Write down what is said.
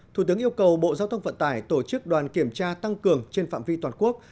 thủ tướng yêu cầu bộ giao thông vận tải tổ chức đoàn kiểm tra tăng cường trên phạm vi toàn quốc